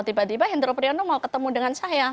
tiba tiba hendro priyono mau ketemu dengan saya